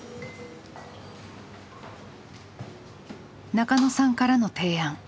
中野さんからの提案。